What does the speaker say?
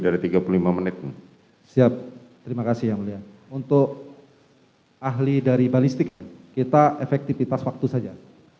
dari tiga puluh lima menit siap terima kasih yang mulia untuk ahli dari balistik kita efektivitas waktu saja